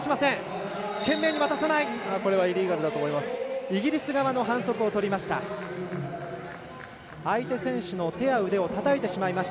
イリーガルだと思います。